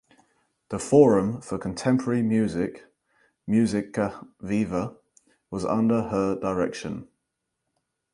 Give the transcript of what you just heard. The forum for contemporary music "(Musica Viva)" was under her direction.